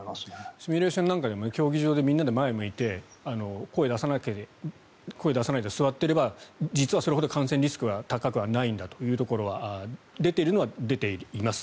シミュレーションでもみんなで前を向いて声を出さないで座っていれば実はそれほど感染リスクは高くはないんだというところは出ているのは、出ています。